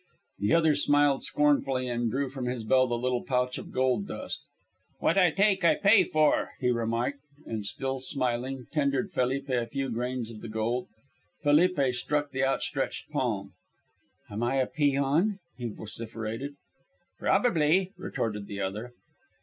The other smiled scornfully and drew from his belt a little pouch of gold dust. "What I take I pay for," he remarked, and, still smiling, tendered Felipe a few grains of the gold. Felipe struck the outstretched palm. "Am I a peon?" he vociferated. "Probably," retorted the other.